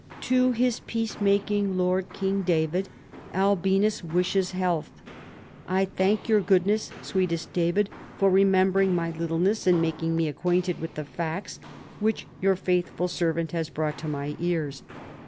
" To his peace making lord King David, Albinus wishes health. I thank your Goodness, sweetest David, for remembering my littleness and making me acquainted with the facts which your faithful servant has brought to my ears.